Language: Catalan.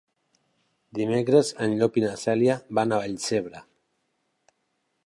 Dimecres en Llop i na Cèlia van a Vallcebre.